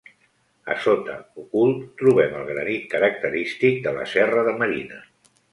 A sota, ocult, trobem el granit característic de la Serra de Marina.